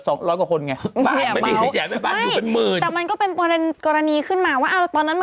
แต่มันก็เป็นกรณีขึ้นมาว่า